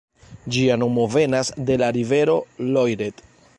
Ĝia nomo venas de la rivero Loiret.